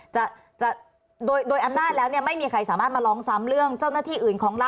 จะโดยอำนาจแล้วเนี่ยไม่มีใครสามารถมาร้องซ้ำเรื่องเจ้าหน้าที่อื่นของรัฐ